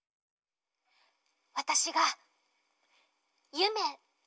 わたしがゆめです！